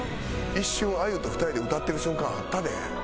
一瞬あゆと２人で歌ってる瞬間あったで。